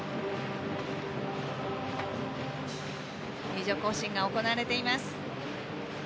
入場行進が行われています。